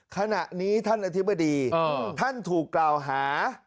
ขณะนี้ท่านอธิบดีท่านถูกกล่าวหา